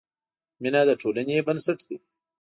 مینه د ټولنې بنسټ دی.